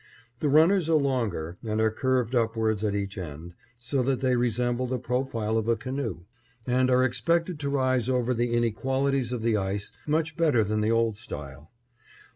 The runners are longer, and are curved upwards at each end, so that they resemble the profile of a canoe, and are expected to rise over the inequalities of the ice much better than the old style.